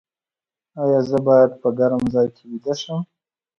ایا زه باید په ګرم ځای کې ویده شم؟